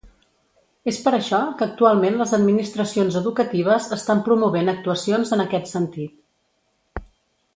És per això que actualment les Administracions Educatives estan promovent actuacions en aquest sentit.